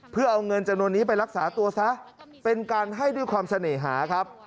เพื่อเอาเงินจำนวนนี้ไปรักษาตัวซะเป็นการให้ด้วยความเสน่หาครับ